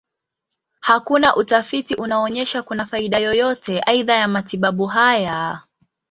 Hakuna utafiti unaonyesha kuna faida yoyote aidha ya matibabu haya.